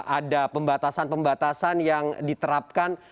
ada pembatasan pembatasan yang diterapkan